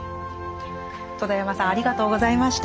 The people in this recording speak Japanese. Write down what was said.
戸田山さんありがとうございました。